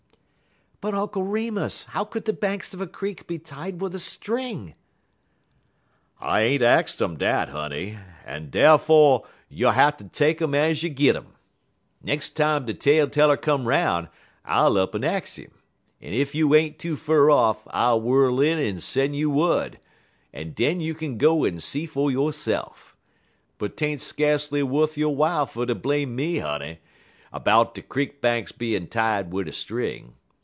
"But, Uncle Remus, how could the banks of a creek be tied with a string?" "I ain't ax um dat, honey, en darfo' yo'll hatter take um ez you git um. Nex' time de tale teller come 'roun' I'll up'n ax 'im, en ef you ain't too fur off, I'll whirl in en sen' you wud, en den you kin go en see fer yo'se'f. But 't ain't skacely wuth yo' w'ile fer ter blame me, honey, 'bout de creek banks bein' tied wid a string.